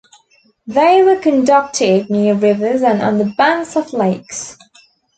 They were conducted near rivers and on the banks of lakes.